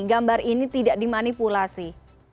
gambar ini tidak dimanipulasi